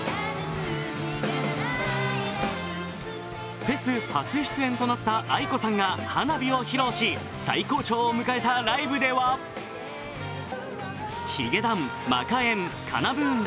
フェス初出演となったａｉｋｏさんが「花火」を披露し最高潮を迎えたライブではヒゲダン、マカえん、ＫＡＮＡ−ＢＯＯＮら